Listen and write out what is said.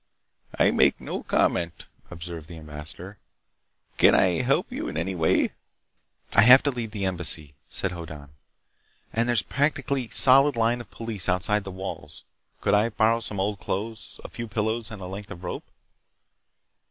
"I make no comment," observed the ambassador. "Can I help you in any way?" "I have to leave the Embassy," said Hoddan, "and there's a practically solid line of police outside the walls. Could I borrow some old clothes, a few pillows, and a length of rope?"